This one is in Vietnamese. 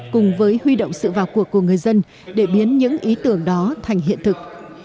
cùng với huy động sự vào cuộc của người dân để biến những ý tưởng đó thành hiện thực